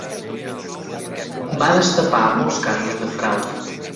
Va destapar molts casos de frau.